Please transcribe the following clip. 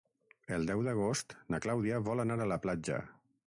El deu d'agost na Clàudia vol anar a la platja.